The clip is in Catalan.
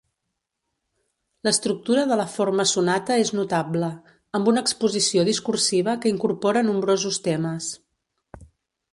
L'estructura de la forma sonata és notable, amb una exposició discursiva que incorpora nombrosos temes.